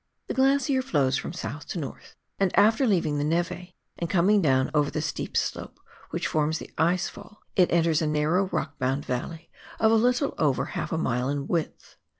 The glacier flows from south to north, and after leaving the neve and coming down over the steep slope which forms the ice fall, it enters a narrow rock bound valley of a little over haK a mile in width.